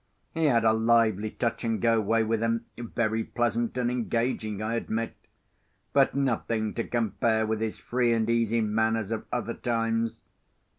He had a lively touch and go way with him, very pleasant and engaging, I admit; but nothing to compare with his free and easy manners of other times.